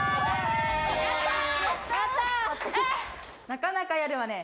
なかなかやるわね。